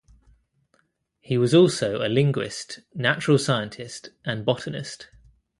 He was also a linguist, natural scientist and botanist.